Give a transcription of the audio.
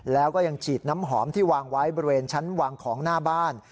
แล้วก็ยังฉีดน้ำหอมที่วางไว้บริเวณชั้นวางของหน้าบ้าน